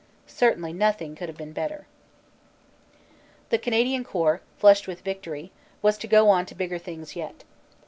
Certainly nothing could have been better." The Canadian Corps, flushed with victory, was to go on to bigger things yet.